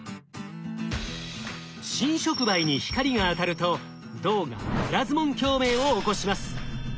新触媒に光が当たると銅がプラズモン共鳴を起こします。